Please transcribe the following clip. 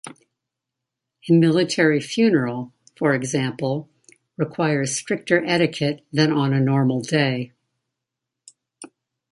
A military funeral, for example, requires stricter etiquette than on a normal day.